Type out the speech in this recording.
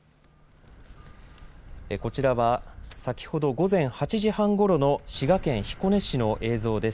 こちらは先ほど午前８時半ごろの滋賀県彦根市の映像です。